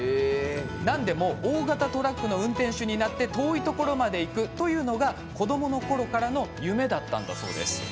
なんでも大型トラックの運転手になって遠いところまで行くのが子どものころからの夢だったんだそうです。